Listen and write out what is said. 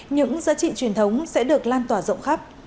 những giá trị truyền thống sẽ được lan tỏa rộng khắp